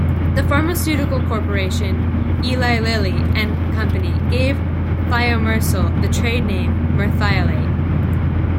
The pharmaceutical corporation Eli Lilly and Company gave thiomersal the trade name Merthiolate.